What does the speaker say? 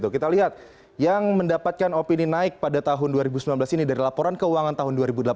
kita lihat yang mendapatkan opini naik pada tahun dua ribu sembilan belas ini dari laporan keuangan tahun dua ribu delapan belas